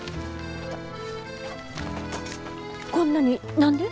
こんなに何で？